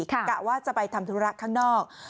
กะว่าจะไปทำธุระข้างนอก